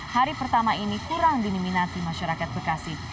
hari pertama ini kurang diniminati masyarakat bekasi